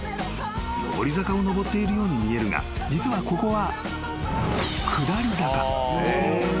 ［上り坂を上っているように見えるが実はここは下り坂］